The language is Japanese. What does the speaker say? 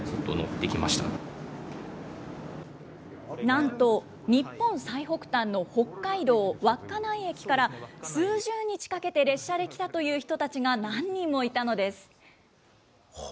なんと、日本最北端の北海道稚内駅から数十日かけて列車で来たという人たちが何人もいたのです。